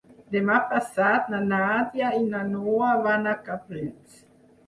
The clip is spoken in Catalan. Demà passat na Nàdia i na Noa van a Cabrils.